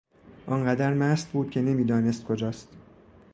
آنقدر مست بود که نمیدانست کجاست.